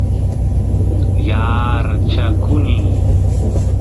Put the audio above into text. yaarchakuny